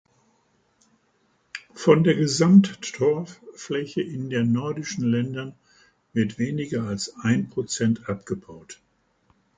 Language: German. Von der Gesamttorffläche in den nordischen Ländern wird weniger als ein Prozent abgebaut.